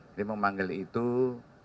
jadi memanggil itu kita harus melihat